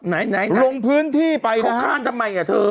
ไหนลงพื้นที่ไปนะครับเขาข้านทำไมกับเธอ